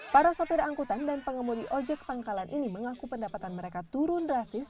para sopir angkutan dan pengemudi ojek pangkalan ini mengaku pendapatan mereka turun drastis